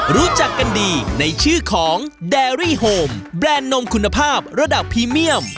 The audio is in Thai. รู้จักกันดีในชื่อของแดรี่โฮมแบรนด์นมคุณภาพระดับพรีเมียม